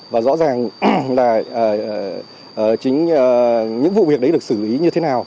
và rõ ràng là chính những vụ việc đấy được xử lý như thế nào